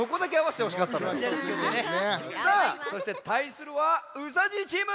さあそしてたいするはうさじいチーム。